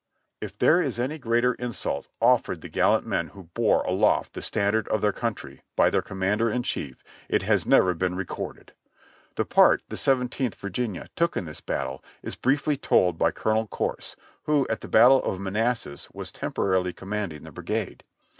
12, p. 83.) If there is any greater insult offered the gallant men who bore aloft the standard of their country, by their commander in chief, it has never been recorded. The part that the Seventeenth Virginia took in this battle is briefly told by Colonel Corse, who at the Battle of Manassas was temporarily commanding the brigade.